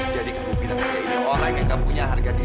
jadi kamu bilang saya ini orang yang tak punya harga diri